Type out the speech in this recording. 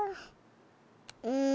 うん。